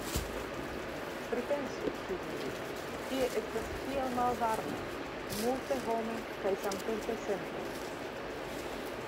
Pripensu, ŝi diris, tie estas tiel malvarme, multehome kaj samtempe senhome.